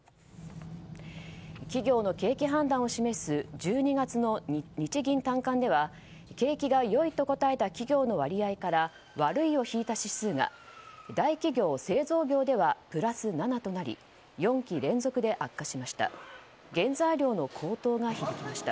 企業の景気判断を示す１２月の日銀短観では景気が良いと答えた企業の割合から悪いを引いた指数が大企業・製造業ではプラス７となり４期連続で悪化しました。